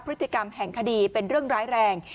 พฤติกรรมแห่งคดีเป็นเรื่องร้ายแรง